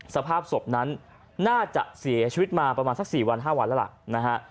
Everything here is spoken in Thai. สภาพศพนั้นน่าจะเสียชีวิตมาประมาณสัก๔วัน๕วันแล้วล่ะนะฮะ